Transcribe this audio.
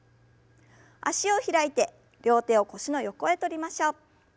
脚を開いて両手を腰の横へとりましょう。